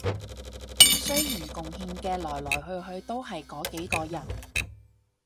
雖然貢獻嘅來來去去都係嗰幾個人